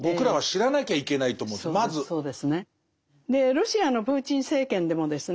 ロシアのプーチン政権でもですね